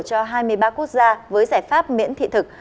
cho hai mươi ba quốc gia với giải pháp miễn thị thực